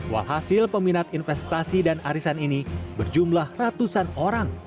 walhasil peminat investasi dan arisan ini berjumlah ratusan orang